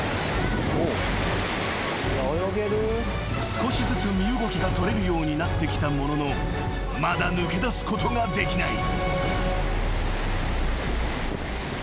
［少しずつ身動きが取れるようになってきたもののまだ抜け出すことができない］